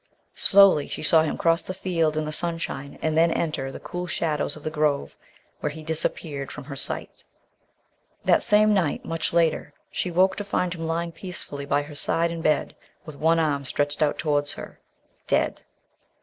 Slowly she saw him cross the field in the sunshine, and then enter the cool shadows of the grove, where he disappeared from her sight. That same night, much later, she woke to find him lying peacefully by her side in bed, with one arm stretched out towards her, dead.